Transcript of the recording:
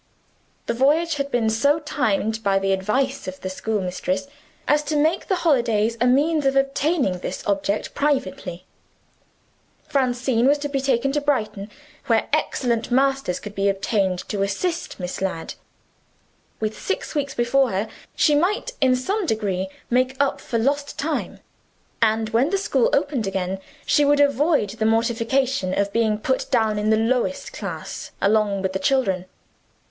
The voyage had been so timed, by the advice of the schoolmistress, as to make the holidays a means of obtaining this object privately. Francine was to be taken to Brighton, where excellent masters could be obtained to assist Miss Ladd. With six weeks before her, she might in some degree make up for lost time; and, when the school opened again, she would avoid the mortification of being put down in the lowest class, along with the children.